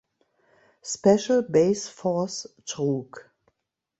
Special Base Force trug.